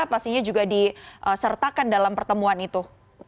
pastinya juga disertakan dalam pertemuan itu